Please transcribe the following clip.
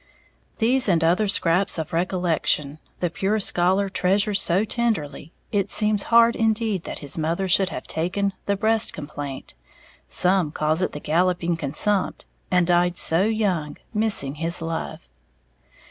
These and other scraps of recollection the "pure scholar" treasures so tenderly it seems hard indeed that his mother should have taken the "breast complaint, some calls it the galloping consumpt'," and died so young, missing his love.